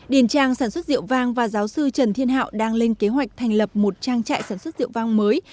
điền trang sản xuất rượu vang và giáo sư trần thiên hảo đang lên kế hoạch thành lập một trang trại sản xuất rượu vang mới